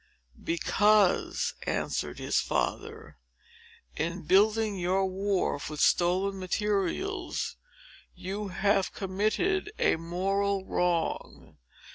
"Because," answered his father, "in building your wharf with stolen materials, you have committed a moral wrong.